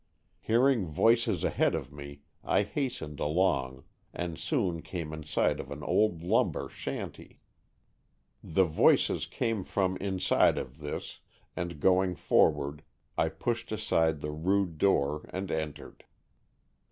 Hearing voices ahead of me I hastened along and soon came in sight of an old lumber shanty. The voices came from inside of this and going forward, I pushed aside the rude door and entered.